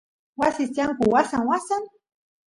wasis tiyanku wasan wasan